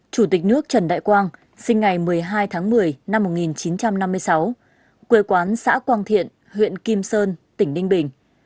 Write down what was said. chủ tịch nước trần đại quang sinh ngày một mươi hai tháng một mươi năm một nghìn chín trăm năm mươi sáu quê quán xã quang thiện huyện kim sơn tỉnh ninh bình